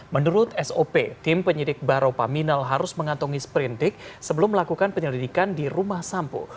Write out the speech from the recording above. menurut sop tim penyidik baropaminal harus mengantongi sprindik sebelum melakukan penyelidikan di rumah sampo